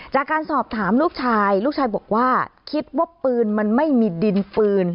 จากการสอบถามลูกชายลูกชายบอกว่าคิดว่าปืนมันไม่มีดินปืน